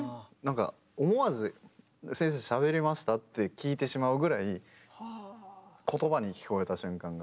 思わず「先生しゃべりました？」って聞いてしまうぐらい言葉に聞こえた瞬間が。